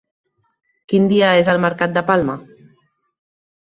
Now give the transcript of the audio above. Quin dia és el mercat de Palma?